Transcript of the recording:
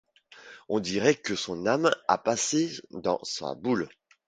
On dirait que son âme a passé dans sa boule.